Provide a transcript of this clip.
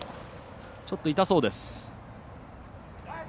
ちょっと痛そうです。